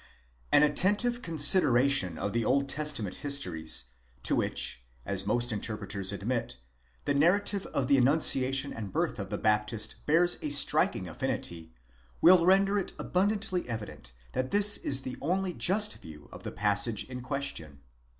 An attentive consideration of the Old Testament histories, to which, as most interpreters admit, the narrative of the annunciation and birth of the Baptist bears a striking affinity, will render it abundantly evident that this is the only just view of the passage in question.